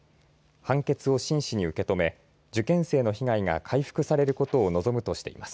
判決を真しに受け止め受験生の被害が回復されることを望むとしています。